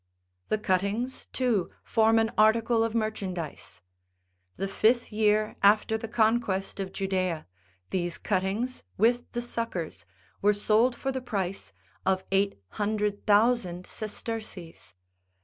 The cuttings, too, form an article of merchandize : the fifth year after the conquest of Judaea, these cuttings, with the suckers, were sold for the price of eight hundred thousand sesterces.